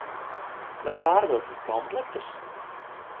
Vai pārdodat komplektus?